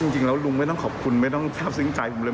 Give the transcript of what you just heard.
จริงแล้วลุงไม่ต้องขอบคุณไม่ต้องทราบซึ้งใจผมเลย